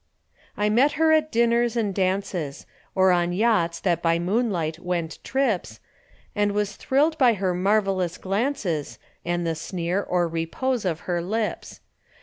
I met her at dinners and dances, Or on yachts that by moonlight went trips, And was thrilled by her marvellous glances, And the sneer or repose of her lips.